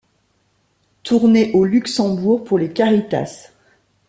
Tournée au Luxembourg pour les Caritas.